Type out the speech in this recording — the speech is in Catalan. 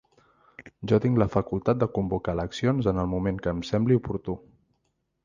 Jo tinc la facultat de convocar eleccions en el moment que em sembli oportú.